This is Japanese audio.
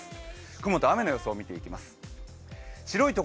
雲と雨の予想を見ていきます。